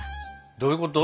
どういうこと？